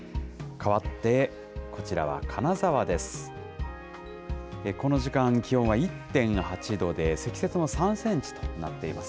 かわってこちらは金沢です。